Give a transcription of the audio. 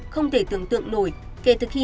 không thể tưởng tượng nổi kể từ khi